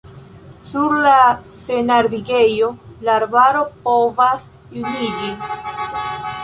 Sur la senarbigejo la arbaro povas juniĝi.